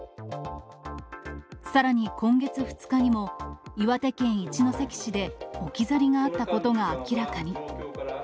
さらに今月２日にも、岩手県一関市で置き去りがあったことが明らかに。